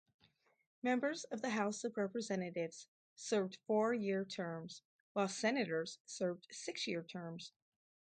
Members of the House of Representatives served four-year terms, while senators served six-year terms.